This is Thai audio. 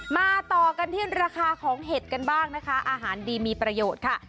มาต่อกันที่ราคาของเห็ดกันบ้างนะคะอาหารดีมีประโยชน์ค่ะ